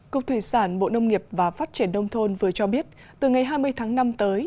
cục thủy sản bộ nông nghiệp và phát triển đông thôn vừa cho biết từ ngày hai mươi tháng năm tới